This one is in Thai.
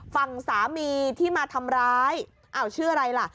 ฝั่งสามีที่มาทำร้ายอ้าวชื่ออะไรล่ะ